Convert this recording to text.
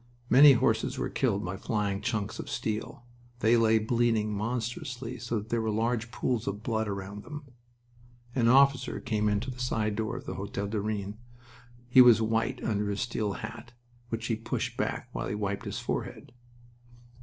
Many horses were killed by flying chunks of steel. They lay bleeding monstrously so that there were large pools of blood around them. An officer came into the side door of the Hotel du Rhin. He was white under his steel hat, which he pushed back while he wiped his forehead.